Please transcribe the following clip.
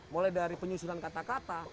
mulai dari penyusunan kata kata